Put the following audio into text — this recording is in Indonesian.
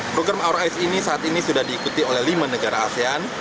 program our ais ini saat ini sudah diikuti oleh lima negara asean